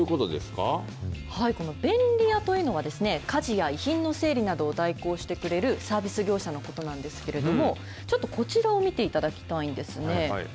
この便利屋というのは、家事や遺品の整理などを代行してくれるサービス業者のことなんですけれども、ちょっとこちらを見ていただきたいんですね。